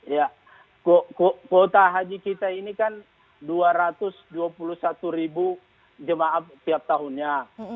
ya kuota haji kita ini kan dua ratus dua puluh satu ribu jemaah tiap tahunnya